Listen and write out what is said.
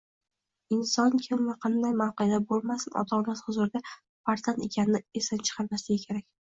Inson kim va qanday mavqeda boʻlmasin, ota-onasi huzurida farzand ekanini esdan chiqarmasligi kerak